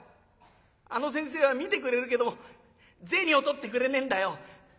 あの先生は診てくれるけども銭を取ってくれねえんだよ。